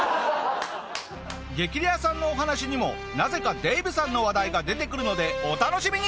激レアさんのお話にもなぜかデーブさんの話題が出てくるのでお楽しみに！